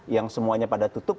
yang semuanya pada tutup